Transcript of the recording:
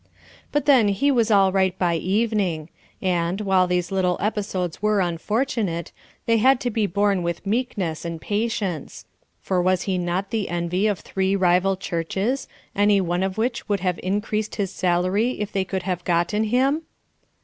But then he was all right by evening, and, while these little episodes were unfortunate, they had to be borne with meekness and patience; for was he not the envy of three rival churches, any one of which would have increased his salary if they could have gotten him?